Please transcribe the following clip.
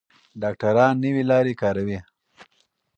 ډاکټران نوې لارې کاروي.